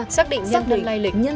xác định nhân thân lai lịch